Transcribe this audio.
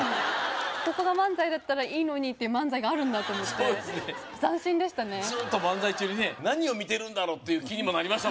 ここが漫才だったらいいのにっていう漫才があるんだと思ってそうですねずっと漫才中にね何を見てるんだろう？っていう気にもなりました